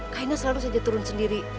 kainnya selalu saja turun sendiri